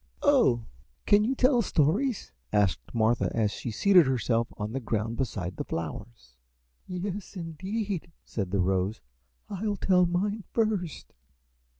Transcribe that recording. "Oh! can you tell stories?" asked Martha as she seated herself on the ground beside the flowers. "Yes, indeed!" said the Rose. "I'll tell mine first."